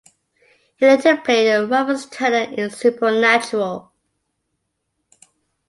He later played Rufus Turner in "Supernatural".